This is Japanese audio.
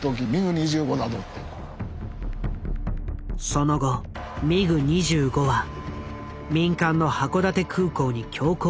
その後ミグ２５は民間の函館空港に強行着陸。